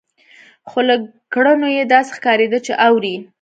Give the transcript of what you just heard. خو له کړنو يې داسې ښکارېده چې اوري.